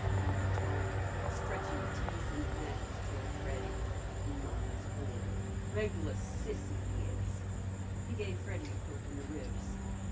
Howard taunted, stretching a teasing hand toward Freddy. "Mamma's boy! Reg'lar sissy, he is!" He gave Freddy a poke in the ribs.